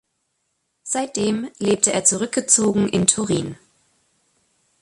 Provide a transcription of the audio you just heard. Seitdem lebte er zurückgezogen in Turin.